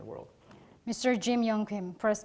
terima kasih bebas